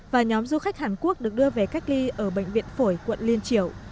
và nhóm du khách hàn quốc được đưa về cách ly ở bệnh viện phổi quận liên triểu